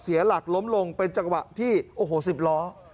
เสียหลักล้มลงเป็นเจาะที่ว่าโอ้โห๑๐ล้อ